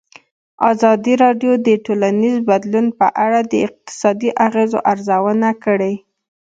ازادي راډیو د ټولنیز بدلون په اړه د اقتصادي اغېزو ارزونه کړې.